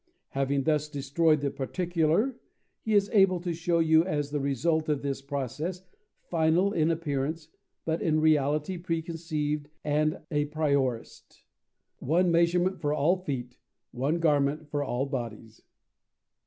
Having thus destroyed the particular, he is able to show you as the result of this process, final in appearance, but in reality preconceived and apriorist, one measurement for all feet, one garment for all bodies.